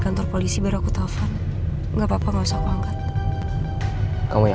kantor polisi baraku taufan nggak papa masa kau angkat komulya